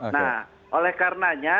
nah oleh karenanya